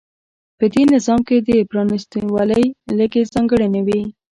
په دې نظام کې د پرانېستوالي لږې ځانګړنې وې.